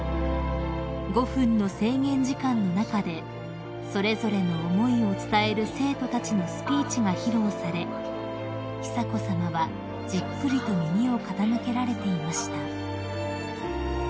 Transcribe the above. ［５分の制限時間の中でそれぞれの思いを伝える生徒たちのスピーチが披露され久子さまはじっくりと耳を傾けられていました］